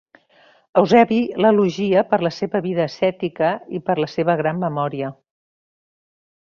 Eusebi l'elogia per la seva vida ascètica i per la seva gran memòria.